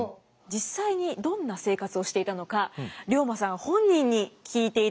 実際にどんな生活をしていたのか龍馬さん本人に聞いていただきたいと思います。